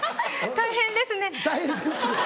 「大変ですね」。